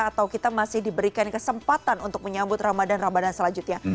atau kita masih diberikan kesempatan untuk menyambut ramadan ramadan selanjutnya